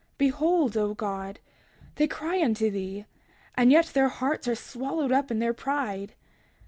31:27 Behold, O God, they cry unto thee, and yet their hearts are swallowed up in their pride.